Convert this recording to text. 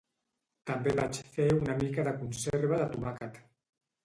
També vaig fer una mica de conserva de tomàquet